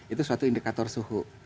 itu suatu indikator suhu